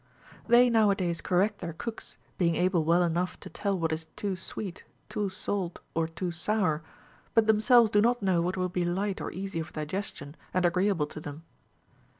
They nowadays correct their cooks, being able well enough to tell what is too sweet, too salt, or too sour, but themselves do not know what will be light or easy of digestion, and agreeable to them.